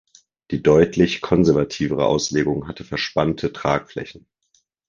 Die deutlich konservativere Auslegung hatte verspannte Tragflächen.